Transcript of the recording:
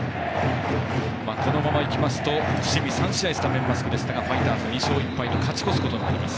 このままいくと伏見、３試合スタメンマスクでファイターズ２勝１敗と勝ち越すことになります